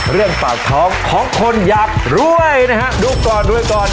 เรื่องปากท้องของคนอยากรวยนะฮะดูก่อนรวยก่อน